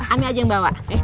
ana aja yang bawa